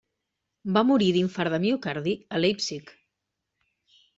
Va morir d'infart de miocardi a Leipzig.